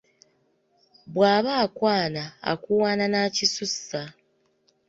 Bw'aba akwana akuwaana n'akisussa.